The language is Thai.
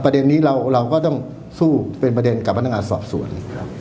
ประเด็นนี้เราก็ต้องสู้เป็นประเด็นกับพนักงานสอบสวน